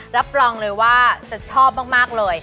รับรองเลยว่าจะชอบมากเลย